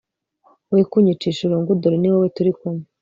we kunyicisha irungu dore niwowe turikumwe